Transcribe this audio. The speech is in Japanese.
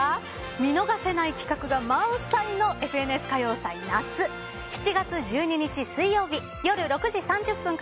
見逃せない企画が満載の『ＦＮＳ歌謡祭夏』７月１２日水曜日夜６時３０分から３時間半の生放送です。